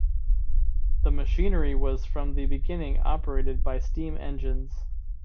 The machinery was from the beginning operated by steam engines.